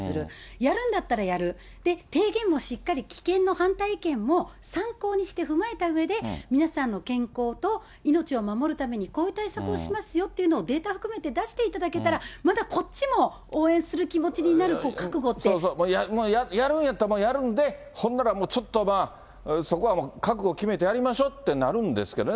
やるんだったらやる、提言もしっかり、危険の、反対意見も踏まえたうえで、皆さんの健康と命を守るためにこういう対策をしますよというのを、データを含めて出していただけたら、まだこっちも応援する気持ちになる、覚悟っもうやるんやったらやるんで、ほんやらちょっとまあ、そこは覚悟決めてやりましょってなるんですけどね。